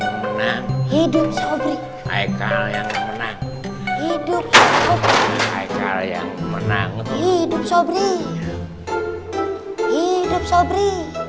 menang hidup sobri hai kalian pernah hidup masalah yang menang hidup sobri hidup sobri